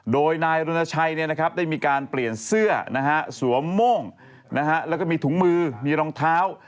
โดยนายรณชัยได้มีการเปลี่ยนเสื้อสวมโม่งแล้วก็มีถุงมือมีรองเท้า